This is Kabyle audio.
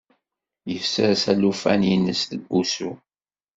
Yessers alufan-nnes deg wusu.